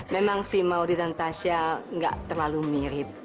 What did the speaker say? memang si maudie dan tasya enggak terlalu mirip